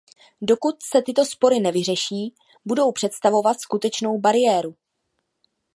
Dokud se tyto spory nevyřeší, budou představovat skutečnou bariéru.